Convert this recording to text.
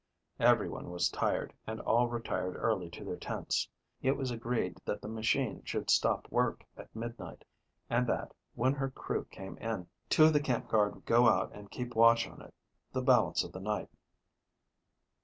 Everyone was tired, and all retired early to their tents. It was agreed that the machine should stop work at midnight, and that, when her crew came in, two of the camp guard would go out and keep watch on it the balance of the night.